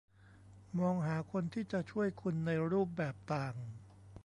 มองหาคนที่จะช่วยคุณในรูปแบบต่าง